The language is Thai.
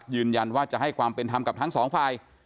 ยืนยันว่าจะให้ความเป็นธรรมกับทั้งสองฝ่าย